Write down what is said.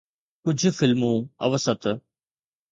ڪجھ فلمون اوسط